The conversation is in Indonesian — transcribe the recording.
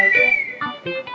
aduh aku bisa